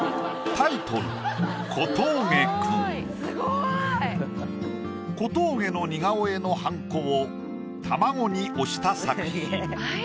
タイトル小峠の似顔絵のはんこを卵に押した作品。